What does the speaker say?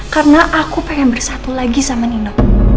karena aku pengen bersatu lagi sama nino